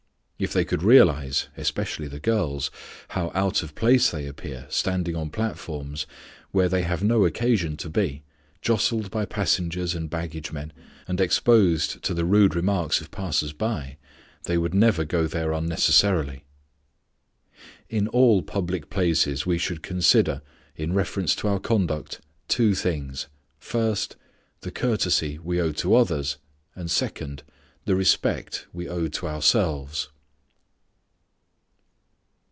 If they could realize, especially the girls, how out of place they appear standing on platforms, where they have no occasion to be, jostled by passengers and baggage men, and exposed to the rude remarks of passers by, they would never go there unnecessarily. In all public places we should consider, in reference to our conduct, two things: first, the courtesy we owe to others; and second, the respect we owe to ourselves.